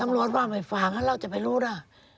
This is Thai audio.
ตำรวจบ้างไอ้ฝ่างเราจะไปรู้น่ะ